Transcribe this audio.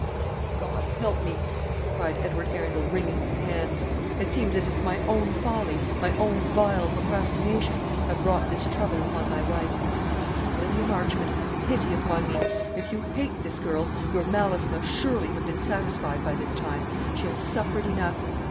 "O God, help me!" cried Edward Arundel, wringing his hands. "It seems as if my own folly, my own vile procrastination, have brought this trouble upon my wife. Olivia Marchmont, have pity upon me. If you hate this girl, your malice must surely have been satisfied by this time. She has suffered enough.